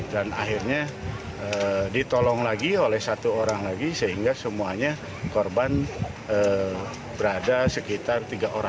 dan akhirnya ditolong lagi oleh satu orang lagi sehingga semuanya korban berada sekitar tiga orang